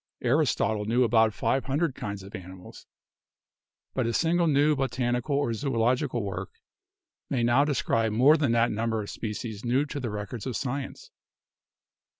Aristotle knew about five hundred kinds of animals, but a single new botanical or zoological work may now describe more than that number of species new to the records of Science.